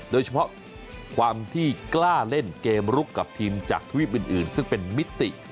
โดยเฉพาะความที่กล้าเล่นเกมลุกกับทีมจากทวีปอื่นซึ่งเป็นมิติ